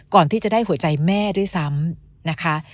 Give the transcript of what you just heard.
ก่อนที่จะได้หัวใจแม่ด้วยซ้ำนะคะ